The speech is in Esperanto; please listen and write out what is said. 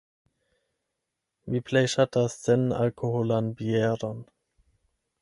Mi plej ŝatas senalkoholan bieron.